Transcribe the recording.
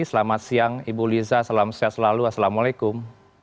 selamat siang ibu liza salam sehat selalu assalamualaikum